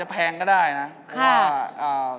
อุปกรณ์ทำสวนชนิดใดราคาถูกที่สุด